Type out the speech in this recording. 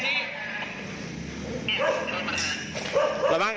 ทำไมโดดในนี้